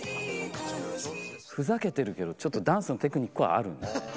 ふざけてるけど、ちゃんとダンスのテクニックはある。